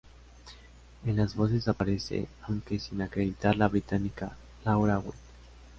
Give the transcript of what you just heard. En las voces aparece, aunque sin acreditar, la británica Laura White.